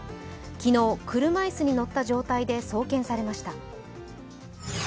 昨日車いすに乗った状態で送検されました。